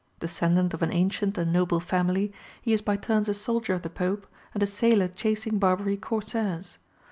Descendant of an ancient and noble family, he is by turns a soldier of the Pope, and a sailor chasing Barbary corsairs.